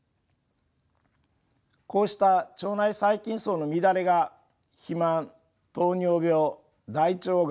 こうした腸内細菌そうの乱れが肥満糖尿病大腸がん